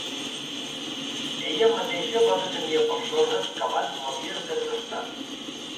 Ella mateixa va detenir a persones que abans l'havien segrestat.